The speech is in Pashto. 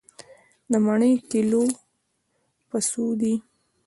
د مڼې کيلو په څو دی؟